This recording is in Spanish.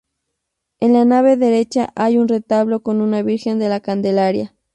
En la nave derecha hay un retablo con una Virgen de la Candelaria.